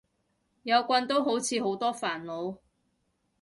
有棍都好似好多煩惱